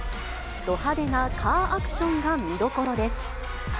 ど派手なカーアクションが見どころです。